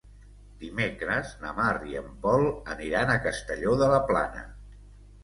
Dimecres na Mar i en Pol aniran a Castelló de la Plana.